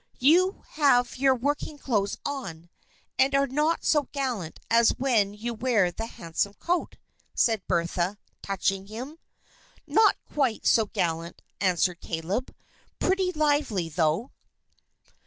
"You have your working clothes on, and are not so gallant as when you wear the handsome coat?" said Bertha, touching him. "Not quite so gallant," answered Caleb. "Pretty lively, though."